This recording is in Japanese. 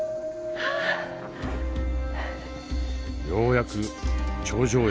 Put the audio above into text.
ようやく頂上へ到着。